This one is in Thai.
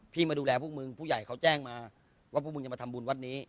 มาดูแลพวกมึงผู้ใหญ่เขาแจ้งมาว่าพวกมึงจะมาทำบุญวัดนี้